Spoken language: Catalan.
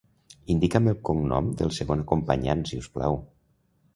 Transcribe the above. Indica'm el cognom del segon acompanyant, si us plau.